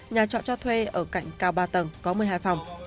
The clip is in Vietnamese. nhà trọ cho thuê ở cạnh cao ba tầng có một mươi hai phòng